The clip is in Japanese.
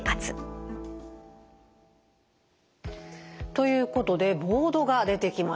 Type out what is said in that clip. ということでボードが出てきました。